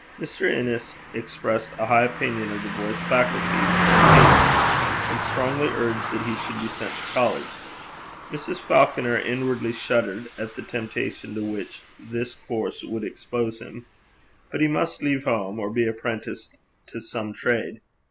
Mr. Innes expressed a high opinion of the boy's faculties and attainments, and strongly urged that he should be sent to college. Mrs. Falconer inwardly shuddered at the temptations to which this course would expose him; but he must leave home or be apprentice to some trade.